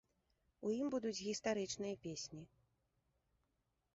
У ім будуць гістарычныя песні.